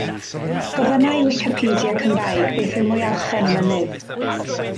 Gofynna i Wicipedia Cymraeg beth yw Mwyalchen Y Mynydd?